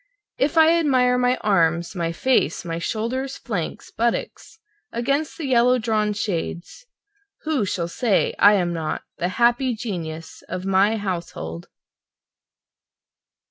If I admire my arms, my face, my shoulders, flanks, buttocks against the yellow drawn shades, Who shall say I am not the happy genius of my household?